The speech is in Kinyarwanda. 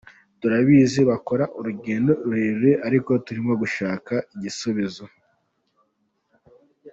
turabizi bakora urugendo rurerure ariko turimo gushaka igisubizo.